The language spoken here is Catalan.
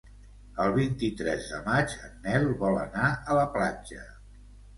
El vint-i-tres de maig en Nel vol anar a la platja.